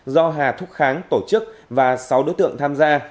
do hà thúc kháng tổ chức và sáu đối tượng tham gia